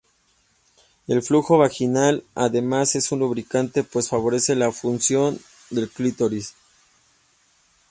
El flujo vaginal además es un lubricante que favorece la función del clítoris.